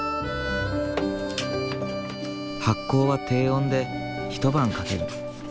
発酵は低温で１晩かける。